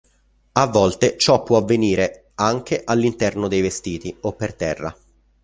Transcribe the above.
A volte ciò può avvenire anche all'interno dei vestiti, o per terra.